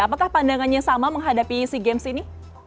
apakah pandangannya sama menghadapi sea games ini